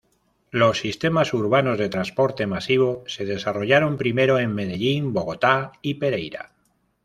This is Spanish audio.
Los sistemas urbanos de transporte masivo se desarrollaron primero en Medellín, Bogotá y Pereira.